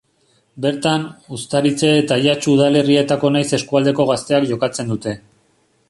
Bertan, Uztaritze eta Jatsu udalerrietako nahiz eskualdeko gazteak jokatzen dute.